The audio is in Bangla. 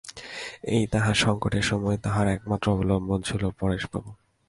এই তাহার সংকটের সময় তাহার একমাত্র অবলম্বন ছিল পরেশবাবু।